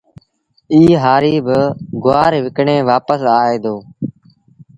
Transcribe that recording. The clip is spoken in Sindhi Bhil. ائيٚݩ هآريٚ با گُوآر وڪڻي وآپس آئي دو